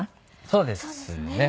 そうですね。